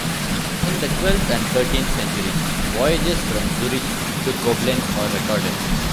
In the twelfth and thirteenth centuries, voyages from Zurich to Koblenz are recorded.